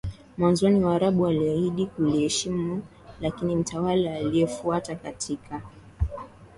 Mwanzoni Waarabu waliahidi kuliheshimu lakini mtawala aliyefuata alitaka